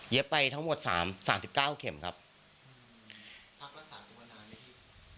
เย็บไปเท่าหมดสามสามสิบเก้าเข็มครับพักละสามตัวนาน